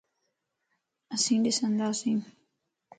اسين ڏسنداسين